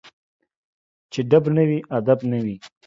چي ډب نه وي ، ادب نه وي